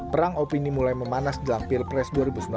perang opini mulai memanas dalam pilpres dua ribu sembilan belas